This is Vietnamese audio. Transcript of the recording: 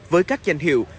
với các danh hiệu